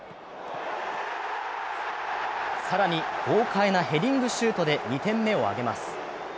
更に豪快なヘディングシュートで２点目を挙げます。